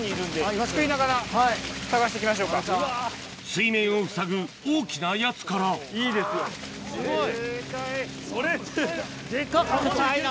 水面をふさぐ大きなやつからすごい。